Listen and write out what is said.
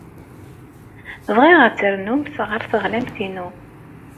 Bɣiɣ ad d-ternumt ɣer teɣlamt-inu.